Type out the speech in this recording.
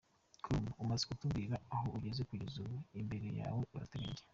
com: Umaze kutubwira aho ugeze kugeza ubu, imbere yawe urateganya iki?.